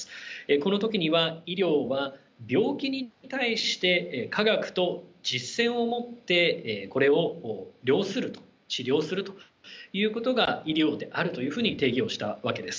この時には医療は病気に対して科学と実践をもってこれを了すると治療するということが医療であるというふうに定義をしたわけです。